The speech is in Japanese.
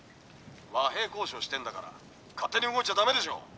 和平交渉してんだから勝手に動いちゃダメでしょう」。